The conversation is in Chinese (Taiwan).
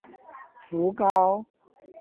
福高